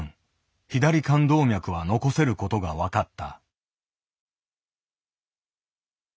左肝動脈は残せることが分かった。